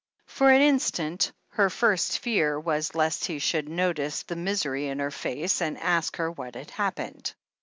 For an instant her first fear was lest he should notice the misery in her face and ask her what had happened.